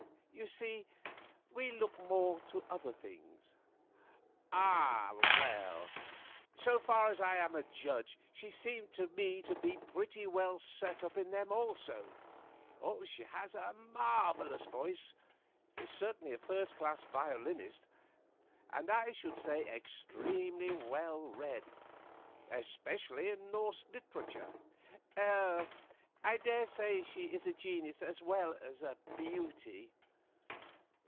You see we look more to other things." "Ah. Well, so far as I am a judge she seemed to me to be pretty well set up in them also. She has a marvellous voice, is certainly a first class violinist, and I should say extremely well read, especially in Norse literature." "Oh! I daresay she is a genius as well as a beauty."